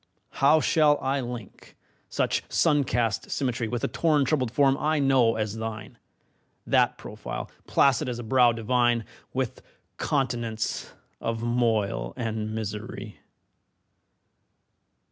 How shall I link such sun cast symmetry With the torn troubled form I know as thine, That profile, placid as a brow divine, With continents of moil and misery?